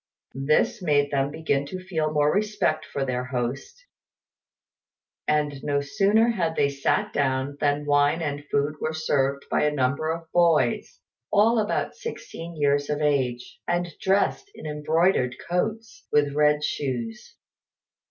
This made them begin to feel more respect for their host; and no sooner had they sat down than wine and food were served by a number of boys, all about sixteen years of age, and dressed in embroidered coats, with red shoes.